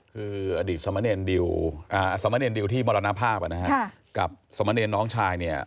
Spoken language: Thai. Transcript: คืออดีตสมเนรสมเนรดิวที่มรณภาพกับสมเนรน้องชายเนี่ย